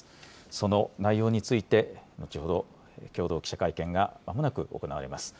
その内容について、後ほど共同記者会見がまもなく行われます。